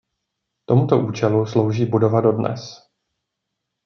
Tomuto účelu slouží budova dodnes.